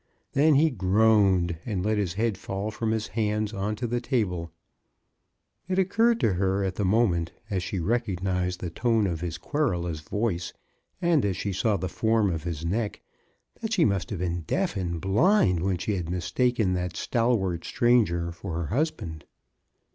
Then he groaned, and let his head fall from his hands on to the table. It occurred to her at the moment, as she recognized the tone of his querulous voice, and as she saw the form of his neck, that she must have been deaf and blind when she had mistaken that stal wart stranger for her husband.